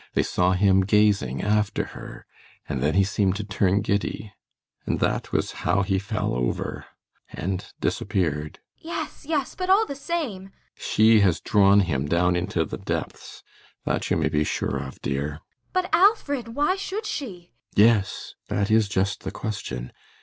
They saw him gazing after her and then he seemed to turn giddy. [Quivering.] And that was how he fell over and disappeared. ASTA. Yes, yes. But all the same ALLMERS. She has drawn him down into the depths that you may be sure of, dear. ASTA. But, Alfred, why should she? ALLMERS. Yes, that is just the question!